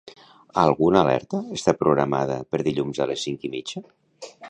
Alguna alerta està programada per dilluns a les cinc i mitja?